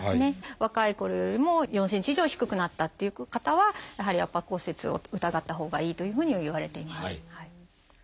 若いころよりも４ｃｍ以上低くなったっていう方はやはり圧迫骨折を疑ったほうがいいというふうにはいわれています。